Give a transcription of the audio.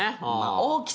大きさ？